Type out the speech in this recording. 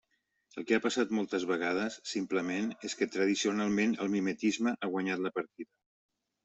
El que ha passat moltes vegades, simplement, és que tradicionalment el mimetisme ha guanyat la partida.